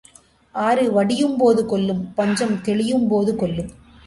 ஆறு வடியும் போது கொல்லும் பஞ்சம் தெளியும் போது கொல்லும்.